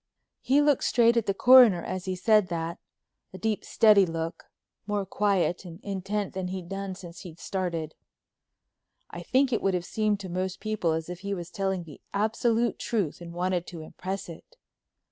He looked straight at the Coroner as he said that, a deep steady look, more quiet and intent than he'd done since he started. I think it would have seemed to most people as if he was telling the absolute truth and wanted to impress it.